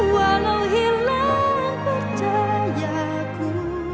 walau hilang percayaku